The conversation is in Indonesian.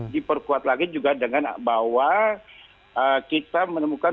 diperkuat lagi juga dengan bahwa kita menemukan